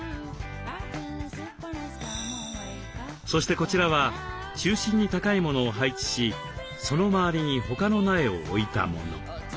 そしてこちらは中心に高いものを配置しその周りに他の苗を置いたもの。